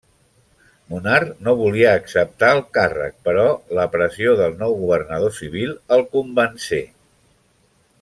Munar no volia acceptar el càrrec però la pressió del nou Governador Civil el convencé.